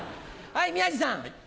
はい宮治さん。